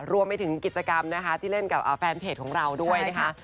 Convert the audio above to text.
รวมไปถึงกิจกรรมนะคะที่เล่นกับแฟนเพจของเราด้วยนะคะ